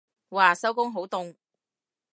嘩收工好凍